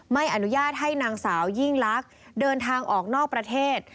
ไม่อนุญาตให้นางสาวยิ่งลักษณ์เดินทางออกนอกประเทศ